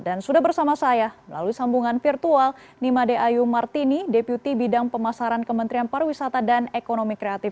dan sudah bersama saya melalui sambungan virtual nima deayu martini deputi bidang pemasaran kementerian pariwisata dan ekonomi kreatif